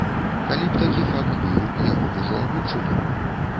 Калі б такі факт быў, яго б ужо агучылі.